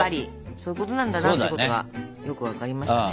そういうことなんだなってことがよく分かりましたね。